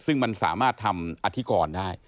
ซึ่งมันสามารถทำอธิกรได้